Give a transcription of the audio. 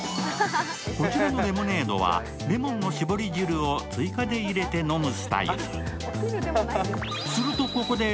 こちらのレモネードはレモンの絞り汁を追加で入れて飲むスタイル。